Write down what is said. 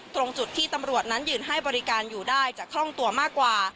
ตรงจุดที่ตำรวจนั้นยืนให้บริการอยู่ได้จะคล่องตัวมากกว่า